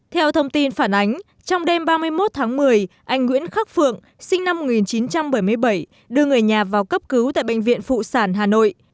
theo thông tin phản ánh trong đêm ba mươi một tháng một mươi anh nguyễn khắc phượng sinh năm một nghìn chín trăm bảy mươi bảy đưa người nhà vào cấp cứu tại bệnh viện phụ sản hà nội